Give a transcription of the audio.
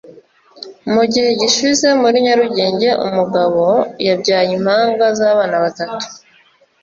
Mu gihe gishize muri Nyarugenge umugabo yabyaye impanga z’abana batatu